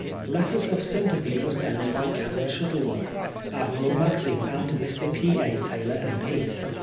Letters of sympathy were sent by Canon Shut tleworth. Admiral Maxse and Mr. P. A. Taylor M.P.